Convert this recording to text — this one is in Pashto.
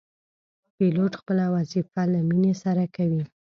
پیلوټ خپل وظیفه له مینې سره کوي.